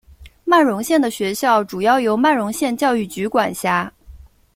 曼绒县的学校主要由曼绒县教育局管辖。